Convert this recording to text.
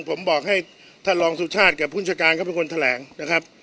ผมบอกให้ท่านรองสุชาติกับผู้จัดการเขาเป็นคนแถลงนะครับ